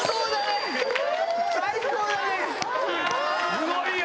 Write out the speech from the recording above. すごいよ！